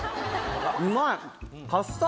うまい！